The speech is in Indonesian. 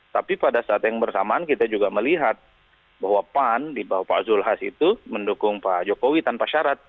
tapi pada saat yang bersamaan kita juga melihat bahwa pan di bawah pak zulhas itu mendukung pak jokowi tanpa syarat